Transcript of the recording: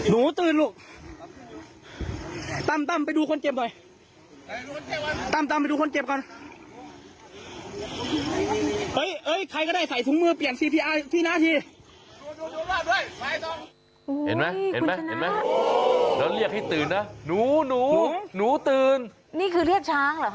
นี่คือเรียกช้างเหรอคะ